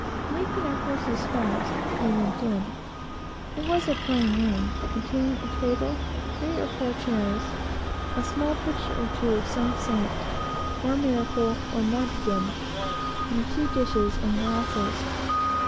Making our horses fast, we went in. It was a plain room, containing a table, three or four chairs, a small picture or two of some saint, or miracle, or martyrdom, and a few dishes and glasses.